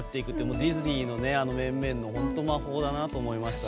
ディズニーの面々の魔法だなと思いました。